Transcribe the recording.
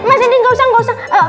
mas randy enggak usah